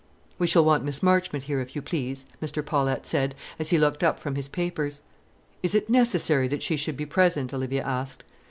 "We shall want Miss Marchmont here, if you please," Mr. Paulette said, as he looked up from his papers. "Is it necessary that she should be present?" Olivia asked.